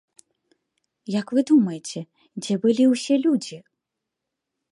Як вы думаеце, дзе былі ўсе людзі?